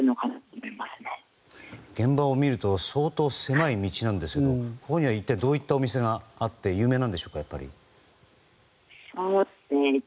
現場を見ると相当狭い道ですがここには一体どういうお店があって有名なんでしょうか。